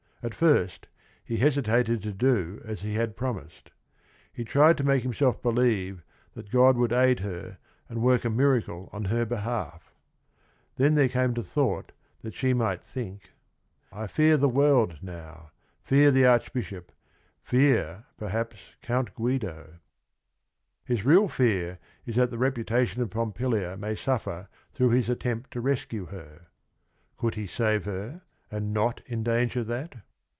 At first he hesitated to do as he had promised. He tried to make himself believe that God would aid her and work a miracle on her behalf. Then there came the thought that she might think "I fear The world now, fear the Archbishop, fear perhaps Count Guido." HlgTPalJppT i'g that thp. reputatio n of Pompilia may suffer through his attempt to rescue_her. Could he save her and not endanger that